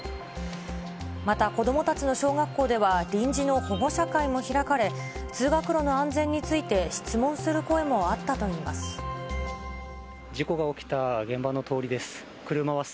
また子どもたちの小学校では、臨時の保護者会も開かれ、通学路の安全について質問する声もあったといいます。